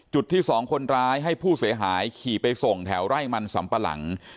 จุดที่๒คนร้ายให้ผู้เสียหายขี่ไปส่งแถวไร่มันสำปะหลัง